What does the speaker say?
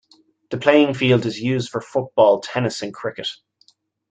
The playing field is used for football, tennis and cricket.